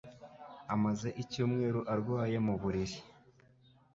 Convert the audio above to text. Amaze icyumweru arwaye mu buriri.